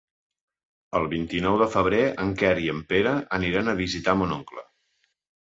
El vint-i-nou de febrer en Quer i en Pere aniran a visitar mon oncle.